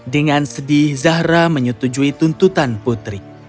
dengan sedih zahra menyetujui tuntutan putri